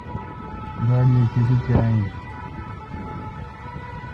گاڑی اے کیلی کاں این۔